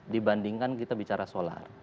dibandingkan kita bicara solar